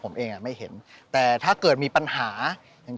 ชื่องนี้ชื่องนี้ชื่องนี้ชื่องนี้ชื่องนี้